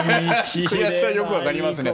悔しさはよく分かりますね。